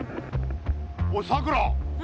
おいさくら！